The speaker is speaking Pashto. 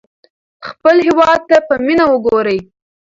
خپل هېواد ته په مینه وګورئ.